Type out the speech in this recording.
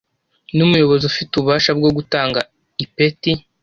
n umuyobozi ufite ububasha bwo gutanga ipeti